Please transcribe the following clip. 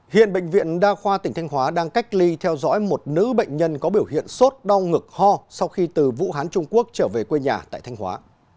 hiện bệnh viện đa khoa tỉnh thanh hóa đang cách ly theo dõi một nữ bệnh nhân có biểu hiện sốt đau ngực ho sau khi từ vũ hán trung quốc trở về quê nhà tại thanh hóa